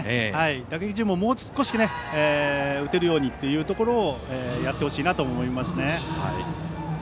打撃陣ももう少し打てるようにというところをやってほしいなと思いますね。